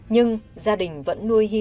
nhưng gia đình vẫn nuôi hiên